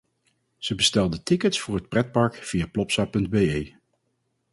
Ze bestelde tickets voor het pretpark via Plopsa.be.